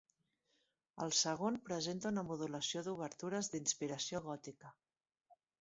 El segon presenta una modulació d'obertures d'inspiració gòtica.